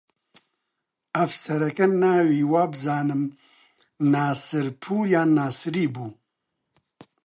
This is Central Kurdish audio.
ئەفسەرەکە ناوی وابزانم ناسرپوور یان ناسری بوو